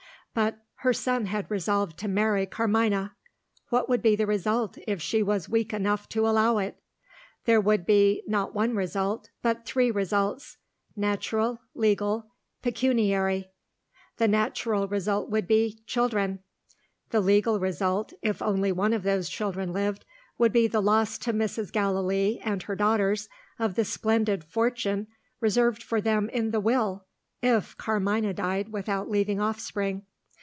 But her son had resolved to marry Carmina. What would be the result if she was weak enough to allow it? There would be, not one result, but three results. Natural; Legal; Pecuniary. The natural result would be children. The legal result (if only one of those children lived) would be the loss to Mrs. Gallilee and her daughters of the splendid fortune reserved for them in the Will, if Carmina died without leaving offspring.